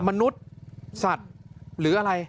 มนุษย์สัตว์หรืออะไร